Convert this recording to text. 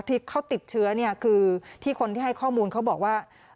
ที่เขาติดเชื้อเนี่ยคือที่คนที่ให้ข้อมูลเขาบอกว่า